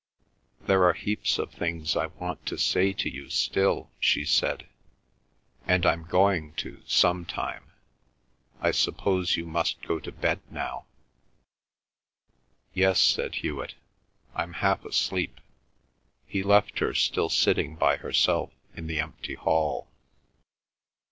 "There are heaps of things I want to say to you still," she said. "And I'm going to, some time. I suppose you must go to bed now?" "Yes," said Hewet. "I'm half asleep." He left her still sitting by herself in the empty hall.